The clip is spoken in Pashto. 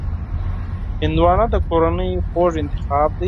هندوانه د کورنیو خوږ انتخاب دی.